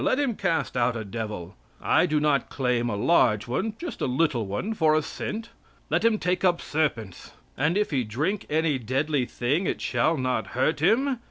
Let him cast out a devil. I do not claim a large one, "just a little one for a cent." Let him take up serpents. "And if he drink any deadly thing it shall not hurt him."